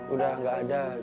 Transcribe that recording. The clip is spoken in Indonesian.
udah gak ada